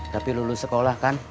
tapi lulus sekolah kan